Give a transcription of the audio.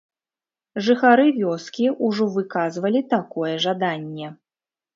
Жыхары вёскі ўжо выказвалі такое жаданне.